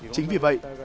chính vì vậy